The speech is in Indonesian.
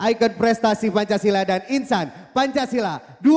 ikon prestasi pancasila dan insan pancasila dua ribu dua puluh